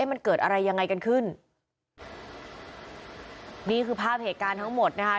มันเกิดอะไรยังไงกันขึ้นนี่คือภาพเหตุการณ์ทั้งหมดนะคะ